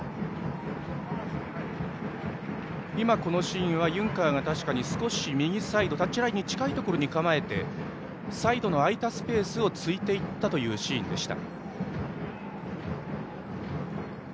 今、このシーンは確かにユンカーが少し右サイドタッチラインに近いところに構えてサイドの空いたスペースを突いていったシーンでした。